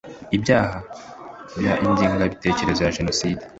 ibyaha by ingengabitekerezo ya jenoside